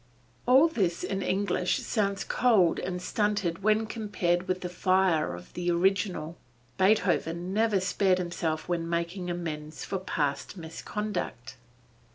All this in English sounds cold and stunted when compared with the fire of the original. Beethoven never spared himself when making amends for past misconduct.